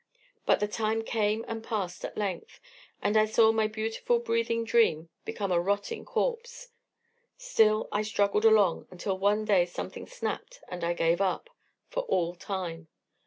But the time came and passed at length, and I saw my beautiful breathing dream become a rotting corpse. Still, I struggled along, until one day something snapped and I gave up for all time.